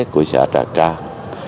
của xã trà trang